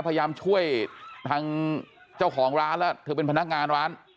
พยายามช่วยทางเจ้าของร้านแล้วเธอเป็นพนักงานร้าน